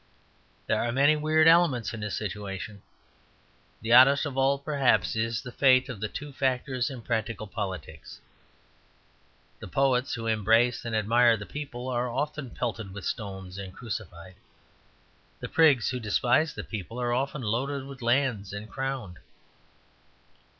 There are many weird elements in this situation. The oddest of all perhaps is the fate of the two factors in practical politics. The Poets who embrace and admire the people are often pelted with stones and crucified. The Prigs who despise the people are often loaded with lands and crowned.